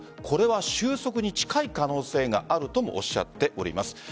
これは収束に近い可能性があるともおっしゃっております。